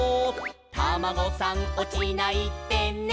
「タマゴさんおちないでね」